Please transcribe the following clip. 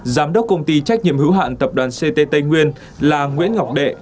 giám đốc công ty trách nhiệm hữu hạn tập đoàn ct tây nguyên là nguyễn ngọc đệ